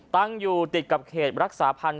ตั้งอยู่ติดกับเขตรักษาพันธ์